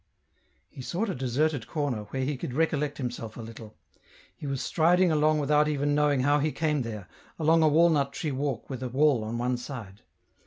He sought a deserted corner, where he could recollect himself a little. He was striding along without even know ing how he came there, along a walnut tree walk with a wall on one side.